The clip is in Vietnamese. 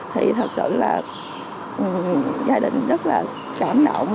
thì thật sự là gia đình rất là cảm động